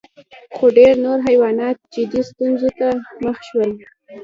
خو ډېر نور حیوانات جدي ستونزو سره مخ شول.